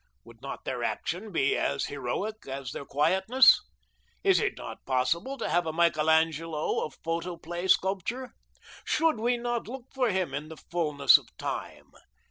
Would not their action be as heroic as their quietness? Is it not possible to have a Michelangelo of photoplay sculpture? Should we not look for him in the fulness of time?